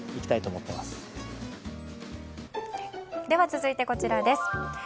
では続いて、こちらです。